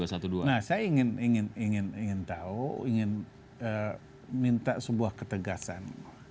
saya ingin tahu ingin minta sebuah ketegasan